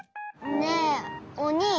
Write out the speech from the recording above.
ねえおにぃ。